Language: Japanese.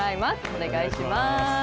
お願いします。